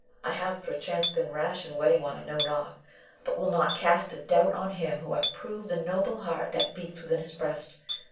I have, perchance, been rash in wedding one I know not, but will not cast a doubt on him who hath proved the noble heart that beats within his breast.